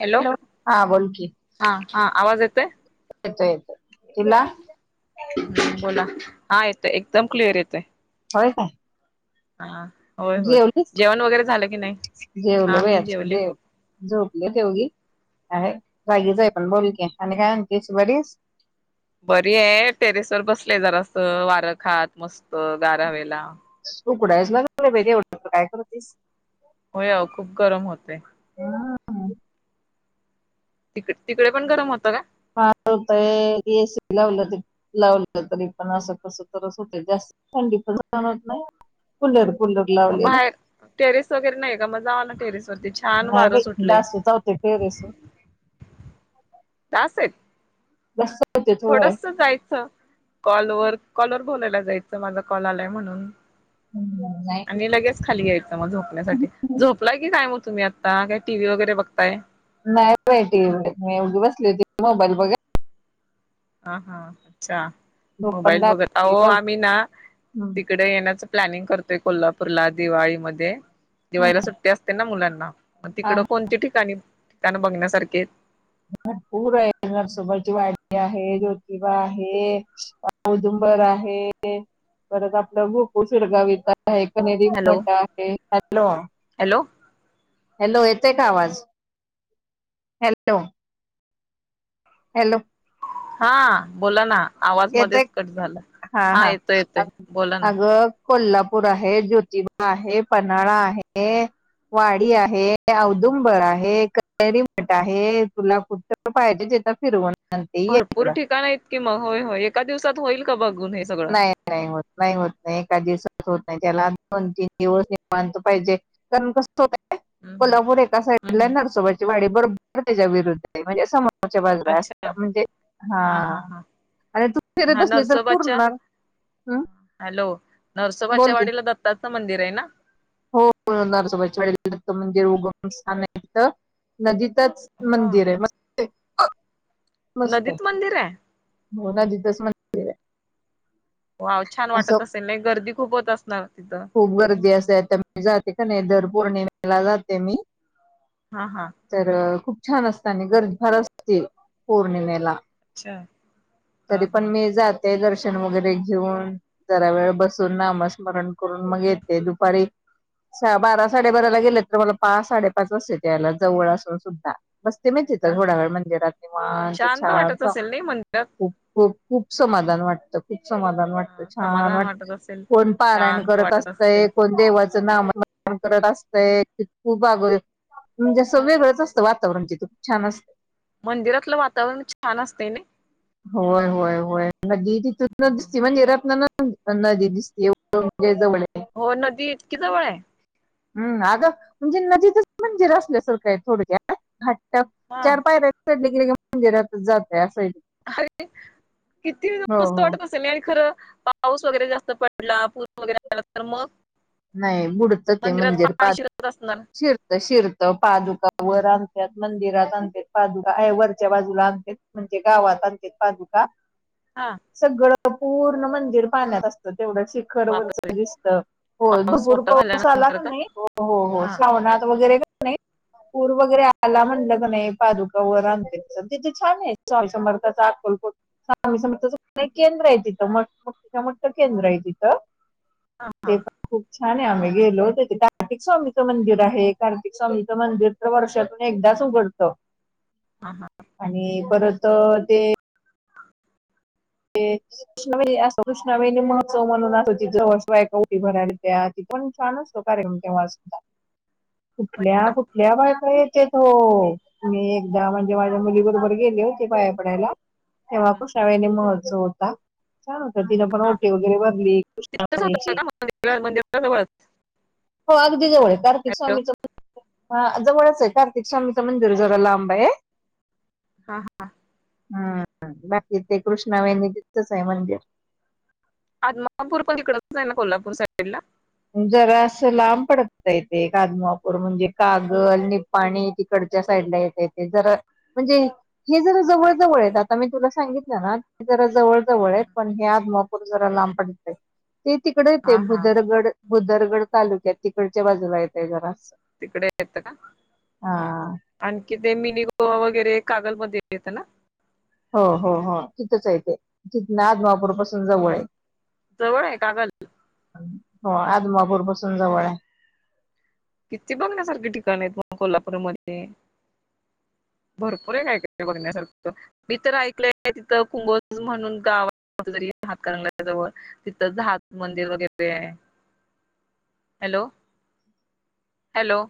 Hello हा बोल की हा हा आवाज येत तोय. येतो येतो तुला. बोला हा येतो एकदम क्लिअर येतोय. होय काय. हा होय होय जेवलीस जेवण वगैरे झालं की नाही जेवलो हा मी बाई जेवले जेव झोपलं तेवगी अरे जागी जाय पण बोल की आणि काय आहेस बरी बरी आहे टेरेस वर बसलेय जरास वारं खात मस्त गारावेला तू पुडायसग तेवढं काय कर तीस हो या खूप गरम होतेय तिक तिकडे पण गरम होत का होतय एसी लावलं त लावलं तरी पण असं कस तरच होत जास्त थंडी पण जाणत नाही फुले मग बाहेर टेरेस वगैरे नाही का मग जावा ना टेरेस वर नाही बाई डास चावतात टेरेस वर [inaudible] डास आहेत बस थोडस जायचं कॉलवर कॉल वर बोलायला जायचं माझा कॉल आलाय म्हणून नाही आणि लगेच खाली यायचं मग झोपण्यासाठी झोपला की काय तुम्ही आता काय टी व्ही वगैरे बघताय नाही बाई टी वी मी बसली होती मोबाईल बघत हा हा अच्छा झोप पण मोबाईल बघत लागली अहो लव- आम्ही ना हम्म. तिकडे येण्याच प्लॅनिंग करतो कोल्हापूरला दिवाळीमध्ये दिवाळीला सुट्टी असते ना मुलांना मग तिकडं आहे. कोणती ठिकाणी ठिकाण बघण्यासारखी आहेत भरपूर आहे नरसोंबाची वाडी आहे ज्योतिबा आहे औदुंबर आहे परत आपलं गोकुळ शिरगावत कनेरी हॅलो मठ आहे हॅलो हॅलो हॅलो येते का आवाज च हॅलो हा बोला ना आवाज येते मध्येच कट झाला हा येतोय येतोय बोला ना अगं कोल्हापूर आहे ज्योतिबा आहे पन्हाळा आहे वाडी आहे औदुंबर आहे कान कणेरी मठ आहे तुला कुठ पाहिजे तिथ फिरवण भरपूर ठिकाण हायत को मग होय होय एका दिवसात होईल का बघ नाही नाही होत नाही होत नाही एका दिवसात हो त्याला दोन तीन दिवस निवांत पाहिजे कारण कस [unintelligible] हम्म हम्म कोल्हापूर एका साइड हम्म ला हम्म नरसोबाची वाडी बर त्याच्या विरुद्ध म्हणजे अस [unintelligible] अच्छा म्हणजे हा आणि तु फिरत हा बसली तर नरसोबाच्या पूर्ण हं? हॅलो बोल नरसोबाच्या की वाडीला दत्ता - मंदिर आहे ना हो ब नरसोबाच्या वाडीत म्हणजे उगम स्थान आहे तिथं नदीत तिथंच हा मंदिर आहे म [inaudible] नदीत मंदिराय हो नदीतच मंदिराय वाव छान वाटत असेल नाही गर्दी खूप होत असणार तिथं खूप गर्दी असते आता मी जाते का नाही दर पौर्णिमेला जाते मी हा हा तर खूप छान असतना गर्दी फार असते पौर्णिमेला च तरी पण मी जात ते दर्शन वगैरे घेऊन जरा वेळ बसून नामस्मरण करून मग येते दुपारी बारा साडेबाराला गेले तर मला पा साडेपाच वाजतात यायला जवळ असून सुद्धा बसते मी होय का तिथं थोडा वेळ मंदिरात निवांत शांत छान वाटत अस असेल नाही मंदिरात - हो खूप समाधान वाटतं खूप समाधान वाटतं हा छान समाधान वाटत असेल कोण पारायण शांत करत वाटत असतय असेल कोण देवाचं नामस्मरण करत असत - खूप अगोदर म्हणजे असं वेगळंच असतं वातावरण तिथं छान असत - मंदिरातलं वातावरण छान असतय नई होय होय होय नदी तिथूनच दिसते म्हणजे रतन ना नदी दिसते [unintelligible] म्हणजे जवळ आहे हो नदी इतकी जवळाय हम् अगं म्हणजे नदीतच मंदिर आसले सारखं आहे थोडक्यात - हा चार पायऱ्या चढल जे मंदिरात जातय असं आहे ती अरे किती हो मस्त हो वाटत असेल ना आणि खरं पाऊस वगैरे जास्त पडला पूर वगैरे झाला तर मग नाही बुडत ते मंदिरात मंदिर पाणी पा शिरत असणार शिरत शिरत पादुका वर आणतात मंदिरात आणत्यात पादुका ऐ वरच्या बाजूला आणत म्हणजे गावात आणतात ते पादुका हा सगळ पूर्ण मंदिर पाहण्यात असत तेवढं शिखर वरच बापरे दिसत पाऊस भपूर मोठा पाऊस आला झाल्यानंतर कि का नाही मग हो हो हा श्रवणात वैगरे नाही पूर वगैरे आला म्हणलं का नाही पादुका वर आणतात तिथे छान आहे स्वामी समर्थाचा अकोलकोट स्वामी समर्थाच केंद्र आहे तिथं मोठ केंद्र आहे तिथं हा हा ते पण खूप छान आहे आम्ही गेलो होतो ते कार्तिक स्वामीचं मंदिर आहे कार्तिक स्वामीचं मंदिर तर वर्षातून एकदाच उघडत हा हा आणि परत ते ते कृष्ण अस कृष्णवेनी महोत्सव म्हणून असतो तिथ जवळ कुठल्या कुठल्या बायका येत्यात हो मी एकदा तेव्हा खुशावैणी‌ म्ह सो होता छान होत तिन पण हा ओटी वगैरे भरली तिथंच होत कृष्णावैणीची का मंदिरा मंदिरा जवळच हो अगदी जवळ कार्तिक हॅलो स्वामीच जवळच आहे कार्तिक स्वामींच मंदिर जरा लांब आहे हा हा हम बाकी ते कृष्णावेनी तिथंच आहे मंदिर आदमापूर पण इकडच आहे ना कोल्हापूर साईड ला जरासं लांब पडतय ते एक आदमापूर म्हणजे कागल निपाणी तिकडच्या साईडला येत ते ते तिकड येतय हा हा भुदरगड भुदरगड तालुक्यात तिकडच्या बाजूला येत आहे जरा असं तिकडे येत का हा आणखी ते मिनी गोवा वगैरे कागलमध्ये येतं ना हो हो हो तिथंच आहे ते तिथ ना आदमापूर पासून जवळ आहे जवळ आहे कागल हो आदमापूर पासून जवळ आहे किती बघण्यासारखे ठिकाण आहेत मग कोल्हापूरमध्ये भरपूर आहे काय काय बघण्यासारख मी तर ऐकलंय तिथं कुंभोज म्हणून गाव कुठतरी हातकणंगले जवळ तिथं जहाज मंदिर वगैरे आहे हॅलो हॅलो